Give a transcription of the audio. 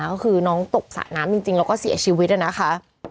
ก็คือน้องตกสระน้ำจริงแล้วก็เสียชีวิตนะคะ